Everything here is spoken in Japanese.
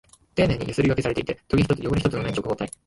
丁寧にヤスリ掛けされていて、トゲ一つ、汚れ一つない直方体。